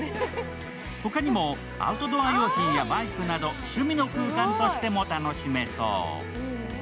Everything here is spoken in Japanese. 他にもアウトドア用品やバイクなど趣味の空間としても楽しめそう。